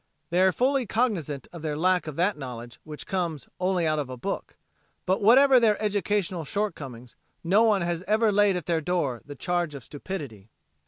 They are fully cognizant of their lack of that knowledge which "comes only out of a book." But whatever their educational shortcomings, no one has ever laid at their door the charge of stupidity.